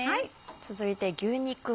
続いて牛肉を。